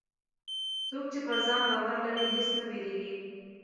څوک چې پر ځان باور لري، هېڅ نه وېرېږي.